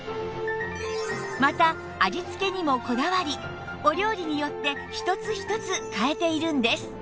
また味付けにもこだわりお料理によって一つ一つ変えているんです